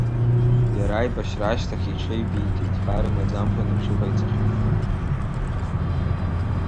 Иара, аибашьра ашьҭахьгьы иҽеибиҭеит, хар имаӡамкәаны иҽыҟаиҵахьеит.